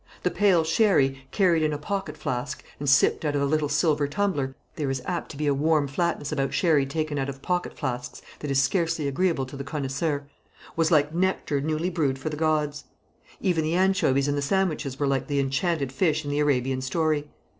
The pale sherry, carried in a pocket flask, and sipped out of a little silver tumbler there is apt to be a warm flatness about sherry taken out of pocket flasks that is scarcely agreeable to the connoisseur was like nectar newly brewed for the gods; even the anchovies in the sandwiches were like the enchanted fish in the Arabian story.